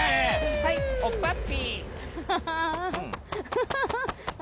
はいおっぱっぴ。